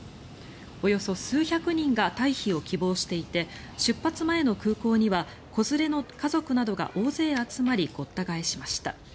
およそ数百人が退避を希望していて出発前の空港には子連れの家族などが大勢集まりごった返しました。